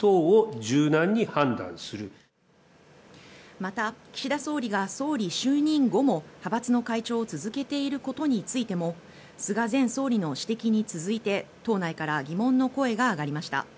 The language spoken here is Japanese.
また、岸田総理が総理就任後も派閥の会長を続けていることについても菅前総理の指摘に続いて党内から疑問の声が上がりました。